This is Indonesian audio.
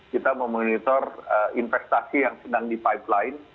kita memonitor investasi yang sedang di pipeline